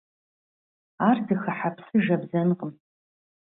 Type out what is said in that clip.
Ар зыхыхьа псы жэбзэнкъым.